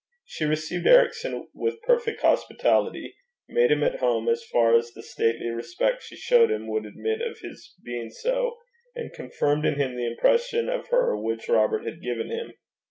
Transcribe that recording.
She received Ericson with perfect hospitality, made him at home as far as the stately respect she showed him would admit of his being so, and confirmed in him the impression of her which Robert had given him.